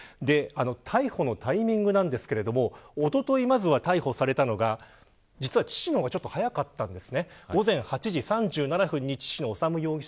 逮捕のタイミングですがおととい、まず逮捕されたのが父親の方が早かったんです。